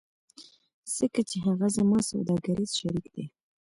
ځکه چې هغه زما سوداګریز شریک دی